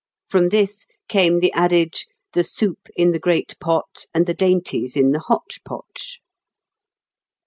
From this came the adage, 'The soup in the great pot and the dainties in the hotch potch.'"